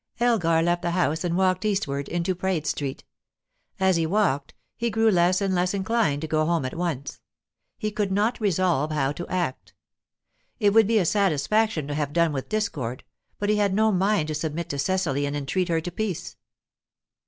Elgar left the house and walked eastward, into Praed Street. As he walked, he grew less and less inclined to go home at once. He could not resolve how to act. It would be a satisfaction to have done with discord, but he had no mind to submit to Cecily and entreat her to a peace.